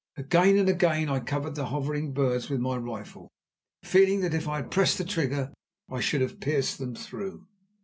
Again and again I covered the hovering birds with my rifle, feeling that if I had pressed the trigger I should have pierced them through.